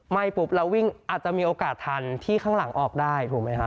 ปุ๊บเราวิ่งอาจจะมีโอกาสทันที่ข้างหลังออกได้ถูกไหมคะ